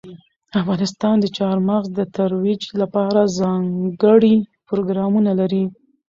افغانستان د چار مغز د ترویج لپاره ځانګړي پروګرامونه لري.